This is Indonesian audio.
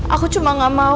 aku cuma gak mau